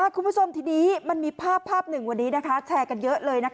คุณผู้ชมทีนี้มันมีภาพหนึ่งวันนี้แชร์กันเยอะเลย